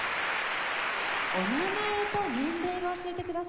お名前と年齢を教えてください。